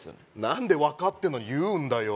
なんで分かってんのに言うんだよ